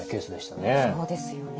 そうですよね。